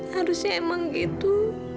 harusnya emang gitu